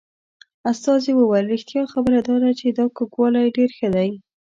استازي وویل رښتیا خبره دا ده چې دا کوږوالی ډېر ښه دی.